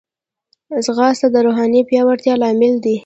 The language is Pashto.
ځغاسته د روحاني پیاوړتیا لامل دی